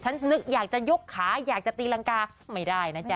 นึกอยากจะยกขาอยากจะตีรังกาไม่ได้นะจ๊